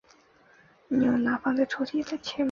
你有拿放在抽屉里的钱吗？